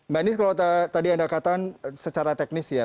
mbak nis kalau tadi anda katakan secara teknis ya